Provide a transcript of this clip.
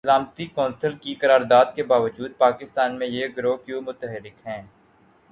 سلامتی کونسل کی قرارداد کے باجود پاکستان میں یہ گروہ کیوں متحرک ہیں؟